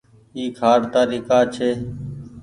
اي کآٽ تآري ڪآ ڇي۔